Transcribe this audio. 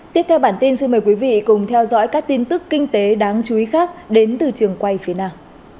tiếp theo bản tin xin mời quý vị cùng theo dõi các tin tức kinh tế đáng chú ý khác đến từ trường quay phía nam